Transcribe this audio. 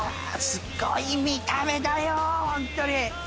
すごい見た目だよ、本当に！